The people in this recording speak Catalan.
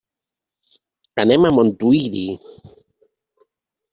Anem a Montuïri.